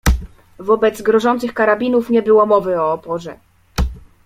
"Wobec grożących karabinów nie było mowy o oporze."